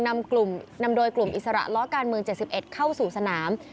นำกลุ่มนำโดยกลุ่มอิสระล้อการเมือง๗๑เข้าสู่สนาม